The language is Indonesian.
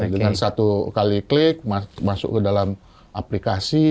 dengan satu kali klik masuk ke dalam aplikasi